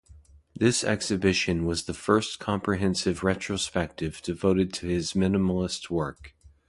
This exhibition was the first comprehensive retrospective devoted to his minimalist work.